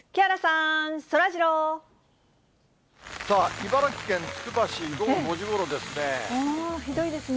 茨城県つくば市、午後５時ごひどいですね。